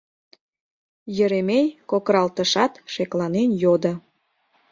Еремей кокыралтышат, шекланен йодо: